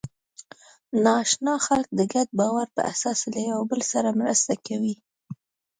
ناآشنا خلک د ګډ باور په اساس له یوه بل سره مرسته کوي.